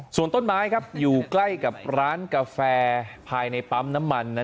ส่วนต้นไม้อยู่ใกล้กับร้านกาแฟภายในปั๊มน้ำมัน